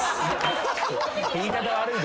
言い方悪いで。